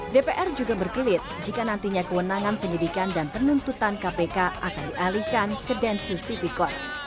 dpr juga berkelit jika nantinya kewenangan penyidikan dan penuntutan kpk akan dialihkan ke densus tipikor